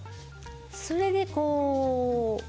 それでこう。